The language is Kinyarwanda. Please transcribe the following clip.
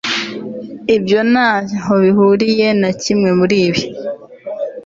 ibyo ntaho bihuriye na kimwe muribi